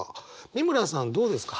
美村さんどうですか？